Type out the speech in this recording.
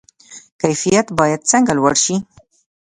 کیفیت باید څنګه لوړ شي؟